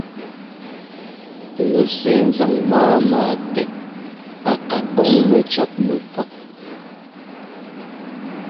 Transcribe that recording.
Nu sɛ́ ńzaŋ máama tɛ a ká kɔŋ mɛcɔ̌tnu pɔ́́.